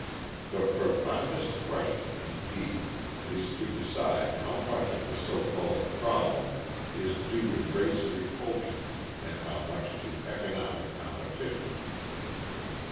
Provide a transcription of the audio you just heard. The profoundest question, indeed, is to decide how much of the so called problem is due to race repulsion and how much to economic competition.